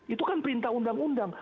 itu kan perintah undang undang